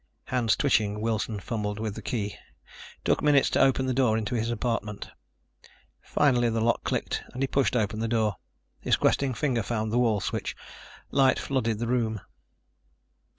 Hands twitching, Wilson fumbled with the key, took minutes to open the door into his apartment. Finally the lock clicked and he pushed open the door. His questing finger found the wall switch. Light flooded the room.